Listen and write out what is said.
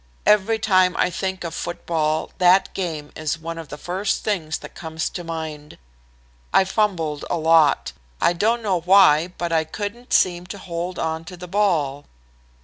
Every time I think of football that game is one of the first things that comes to mind. I fumbled a lot. I don't know why, but I couldn't seem to hold onto the ball.